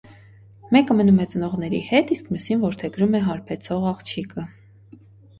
Մեկը մնում է ծնողների հետ, իսկ մյուսին որդեգրում է հարբեցող աղջիկը։